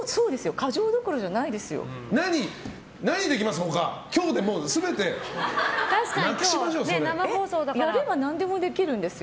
過剰どころじゃないですよ。